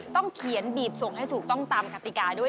ต้องเขียนบีบส่งให้ถูกต้องตามกติกาด้วย